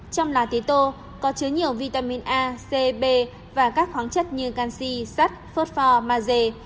trong lá tế tô có chứa nhiều vitamin a c b và các khoáng chất như canxi sắt phốt pho maze